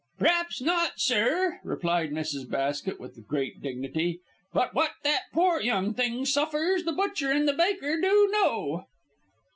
"P'r'aps not, sir," replied Mrs. Basket, with great dignity. "But what that pore young thing suffers the butcher and the baker do know."